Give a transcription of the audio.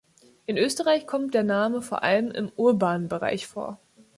In Österreich kommt der Name vor allem im urbanen Bereich vor.